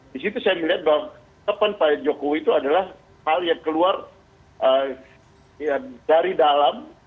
di situ saya melihat bahwa depan pak jokowi itu adalah hal yang keluar dari dalam